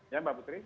ya mbak putri